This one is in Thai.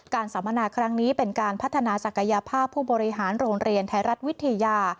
สัมมนาครั้งนี้เป็นการพัฒนาศักยภาพผู้บริหารโรงเรียนไทยรัฐวิทยา